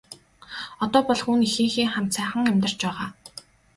Одоо бол хүү нь эхийнхээ хамт сайхан амьдарч байгаа.